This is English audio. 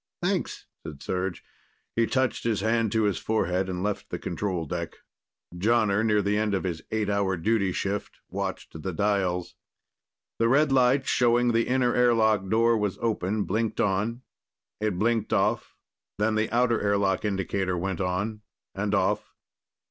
"Thanks," said Serj. He touched his hand to his forehead and left the control deck. Jonner, near the end of his eight hour duty shift, watched the dials. The red light showing the inner airlock door was open blinked on. It blinked off, then the outer airlock indicator went on, and off.